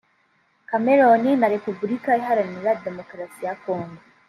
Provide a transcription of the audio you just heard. Cameroon na Repubulika Iharanira Demokarasi ya Congo